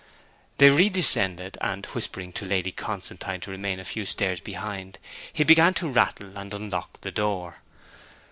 They redescended, and, whispering to Lady Constantine to remain a few stairs behind, he began to rattle and unlock the door.